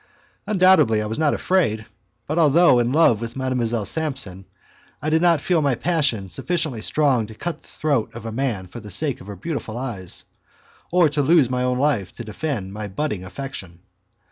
Undoubtedly I was not afraid, but although in love with Mdlle. Samson I did not feel my passion sufficiently strong to cut the throat of a man for the sake of her beautiful eyes, or to lose my own life to defend my budding affection.